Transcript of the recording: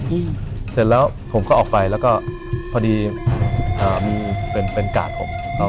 เสร็จแล้วผมก็ออกไปแล้วก็พอดีเป็นกากผม